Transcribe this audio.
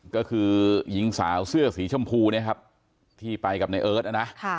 ก็คือหญิงสาวเสื้อสีชมพูเนี่ยครับที่ไปกับในเอิร์ทนะนะ